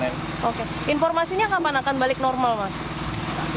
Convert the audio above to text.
oke informasinya kapan akan balik normal mas